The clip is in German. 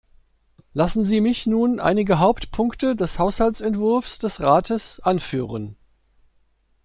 Lassen Sie mich nun einige Hauptpunkte des Haushaltsentwurfs des Rates anführen.